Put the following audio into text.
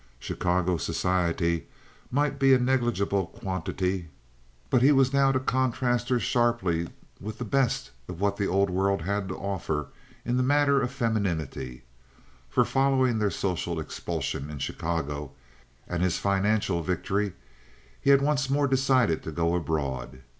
Chicago society might be a negligible quantity, but he was now to contrast her sharply with the best of what the Old World had to offer in the matter of femininity, for following their social expulsion in Chicago and his financial victory, he once more decided to go abroad.